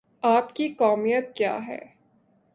آپ کی قومیت کیا ہے؟